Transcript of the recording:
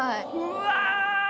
うわ！